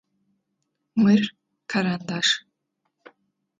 Мыр карандаш.